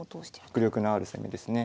迫力のある攻めですね。